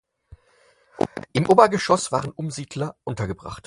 Im Obergeschoss waren Umsiedler untergebracht.